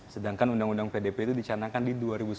sedangkan undang undang pdp itu dicanangkan di dua ribu sembilan belas